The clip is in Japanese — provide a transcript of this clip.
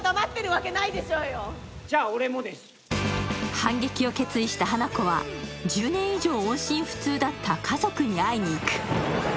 反撃を決意した花子は１０年以上音信不通だった家族に会いに行く。